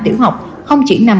tiểu học không chỉ nằm